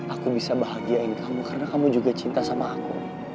aku bisa bahagiain kamu karena kamu juga cinta sama aku